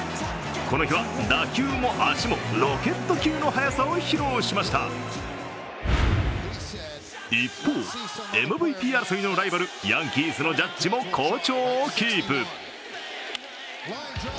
この日は打球も足もロケット級の速さを披露しました一方、ＭＶＰ争いのライバルヤンキースのジャッジも好調をキープ。